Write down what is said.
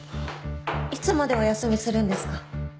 いつまでお休みするんですか？